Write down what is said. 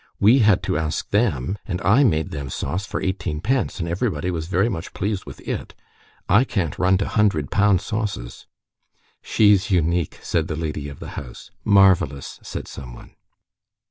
We had to ask them, and I made them sauce for eighteen pence, and everybody was very much pleased with it. I can't run to hundred pound sauces." "She's unique!" said the lady of the house. "Marvelous!" said someone.